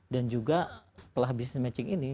dan juga setelah business matching ini